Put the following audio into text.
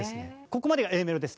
ここまでがＡメロです。